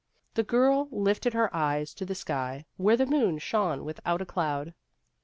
The girl lifted her eyes to the sky where the moon shone without a cloud.